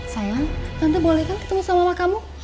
sayang tante boleh kan ketemu sama mama kamu